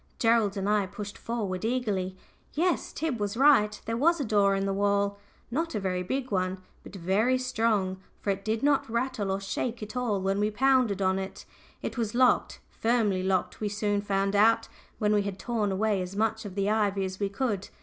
Gerald and I pushed forward eagerly. Yes, Tib was right. There was a door in the wall not a very big one, but very strong, for it did not rattle or shake at all when we pounded on it. It was locked, firmly locked we soon found out, when we had torn away as much of the ivy as we could.